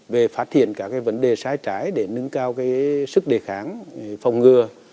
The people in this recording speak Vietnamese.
về phát triển các vấn đề sai trái để nâng cao sức đề kháng phòng ngừa